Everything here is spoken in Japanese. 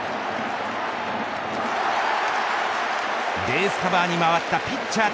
ベースカバーに回ったピッチャー